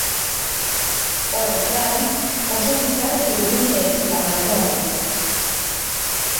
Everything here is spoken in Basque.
Horrez gain, oso bizkarrezur luze eta malgua du.